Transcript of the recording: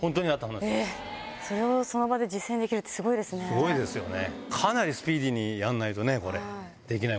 すごいですよね。